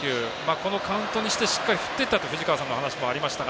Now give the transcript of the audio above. このカウントにしてしっかり振っていったという藤川さんのお話もありましたが。